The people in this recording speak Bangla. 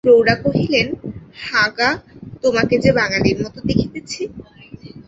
প্রৌঢ়া কহিলেন, হাঁ গা, তোমাকে যে বাঙালির মতো দেখিতেছি।